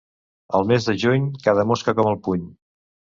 El mes de juny, cada mosca com el puny.